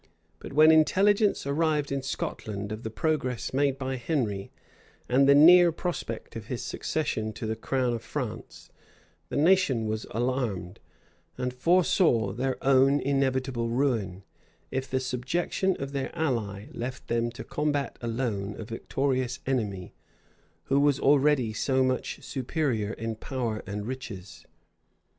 But when intelligence arrived in Scotland of the progress made by Henry, and the near prospect of his succession to the crown of France, the nation was alarmed, and foresaw their own inevitable ruin, if the subjection of their ally left them to combat alone a victorious enemy, who was already so much superior in power and riches.